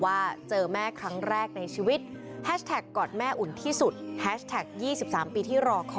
ให้หวันขึ้นคู่ควรรักมันฉันและเธอ